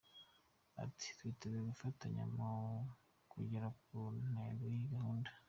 Ati” Twiteguye gufatanya mu kugera ku ntego z’iyi gahunda.